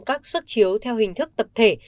các xuất chiếu theo hình thức tập thể